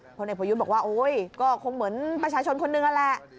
พลเอกประยุทธ์บอกว่าโอ๊ยก็คงเหมือนประชาชนคนหนึ่งนั่นแหละ